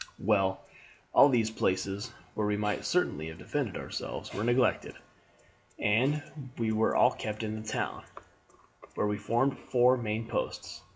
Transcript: "Well, all these places, where we might certainly have defended ourselves, were neglected, and we were all kept in the town, where we formed four main posts.